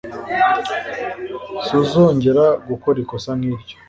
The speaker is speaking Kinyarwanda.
Suzongera gukora ikosa nk'iryo.